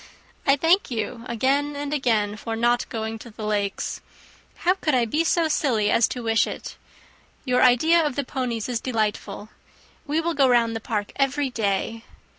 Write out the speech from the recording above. I thank you again and again, for not going to the Lakes. How could I be so silly as to wish it! Your idea of the ponies is delightful. We will go round the park every day.